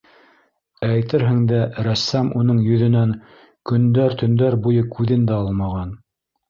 Әйтерһең дә, рәссам уның йөҙөнән көндәр-төндәр буйы күҙен дә алмаған.